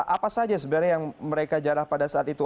apa saja sebenarnya yang mereka jarah pada saat itu